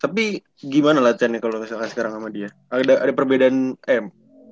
tapi gimana lah chen nih kalau sekarang sama dia ada perbedaan m